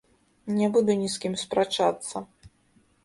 Не буду ні з кім спрачацца.